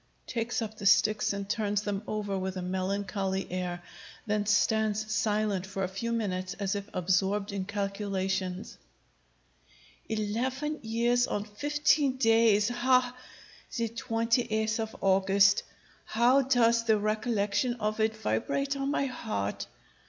[_Takes up the sticks and turns them over with a melancholy air; then stands silent for a few minutes as if absorbed in calculation._] Eleven years and fifteen days! Hah! the twenty eighth of August! How does the recollection of it vibrate on my heart!